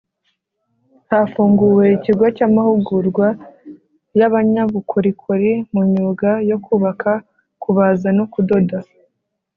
Hafunguwe ikigo cy’amahugurwa y’abanyabukorikori mu myuga yo kubaka kubaza no kudoda